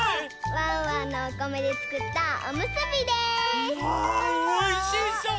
ワンワンのおこめでつくったおむすびです。わおいしそう！